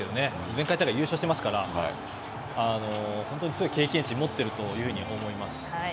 前回大会で優勝していますから、本当にすごい経験値を持っているというふうに思います。